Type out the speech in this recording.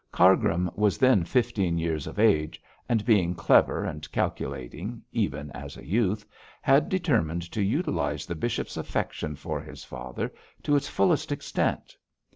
Cargrim was then fifteen years of age, and being clever and calculating, even as a youth, had determined to utilise the bishop's affection for his father to its fullest extent.